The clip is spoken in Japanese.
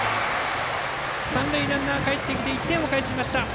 三塁ランナー、かえってきて１点を返しました。